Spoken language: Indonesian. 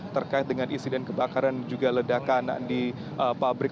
terkait dengan insiden kebakaran juga ledakan di pabrik